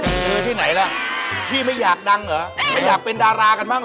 เออที่ไหนล่ะพี่ไม่อยากดังเหรอไม่อยากเป็นดารากันบ้างเห